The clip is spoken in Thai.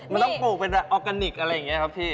มันต้องปลูกเป็นออร์แกนิคอะไรอย่างนี้ครับพี่